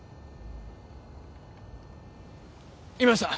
いました！